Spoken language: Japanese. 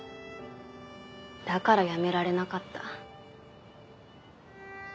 だから辞められなかった。